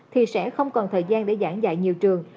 thì sẽ không còn thời gian để giảng dạy nhiều trường